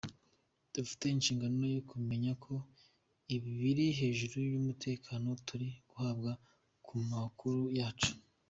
Dufite inshingano yo kumenya ko ibiri hejuru y’umutekano turi guhabwa ku makuru yacu.